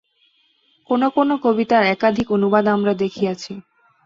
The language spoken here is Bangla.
কোন কোন কবিতার একাধিক অনুবাদ আমরা দেখিয়াছি।